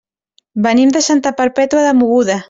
Venim de Santa Perpètua de Mogoda.